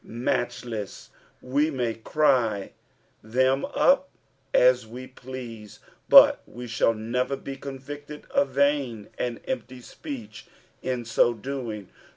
matehless ; we may cry them up as we please, but we shall never be convicted of vain and empty speech in so doing.